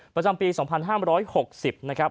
ประจำปี๒๕๖๐นะครับ